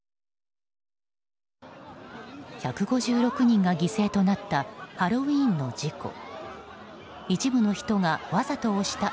１５６人が犠牲となったハロウィーンの事故。